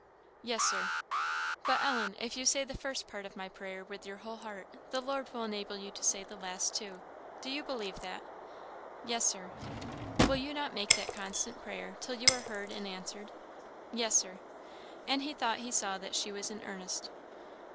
"Yes, Sir." "But, Ellen, if you say the first part of my prayer with your whole heart, the Lord will enable you to say the last too do you believe that?" "Yes, Sir." "Will you not make that your constant prayer till you are heard and answered?" "Yes, Sir." And he thought he saw that she was in earnest.